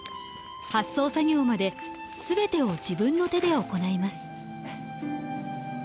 発送作業まで全てを自分の手で行います。